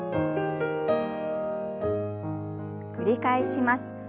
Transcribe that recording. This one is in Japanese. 繰り返します。